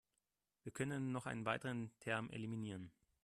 Wir können noch einen weiteren Term eliminieren.